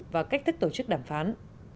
và cách thức tổ chức đàm phán